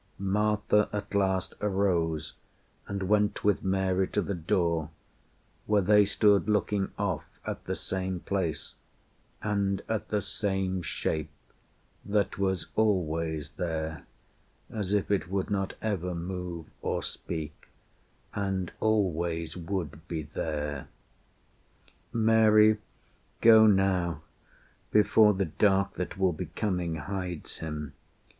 Martha at last Arose, and went with Mary to the door, Where they stood looking off at the same place, And at the same shape that was always there As if it would not ever move or speak, And always would be there. "Mary, go now, Before the dark that will be coming hides him.